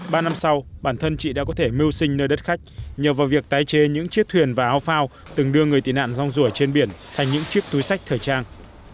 ba năm sau bản thân chị đã có thể mưu sinh nơi đất khách nhờ vào việc tái chế những chiếc thuyền và áo phao từng đưa người tị nạn rong rủi trên biển thành những chiếc túi sách thời trang